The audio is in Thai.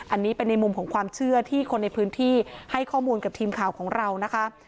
อันนี้เป็นในมุมของความเชื่อที่คนในพื้นที่ให้ข้อมูลกับทีมข่าวของเรานะคะ